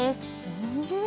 うん。